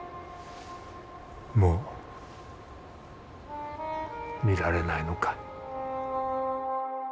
もう見られないのか。